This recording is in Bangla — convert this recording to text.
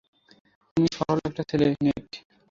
তুমি সরল একটা ছেলে, নেট।